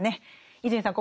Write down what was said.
伊集院さん